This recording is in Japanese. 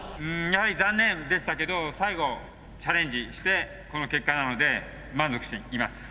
やはり残念でしたけど最後チャレンジしてこの結果なので満足しています。